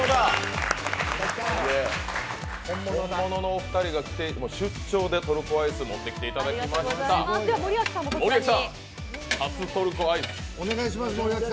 本物のお二人が来て、出張でトルコアイスを持ってきていただきました。